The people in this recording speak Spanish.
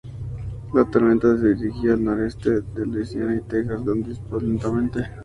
La tormenta se dirigió al noroeste de Luisiana y Texas, donde se disipó lentamente.